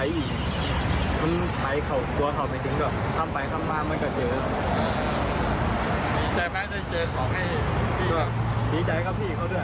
ขอบคุณแม่ครับพี่เขาด้วยนะครับ